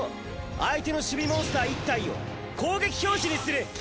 相手の守備モンスター１体を攻撃表示にする！